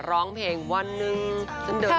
ร้องเพลงวันหนึ่งฉันเดิน